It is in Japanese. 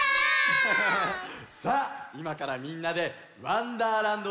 さあいまからみんなでわんだーらんど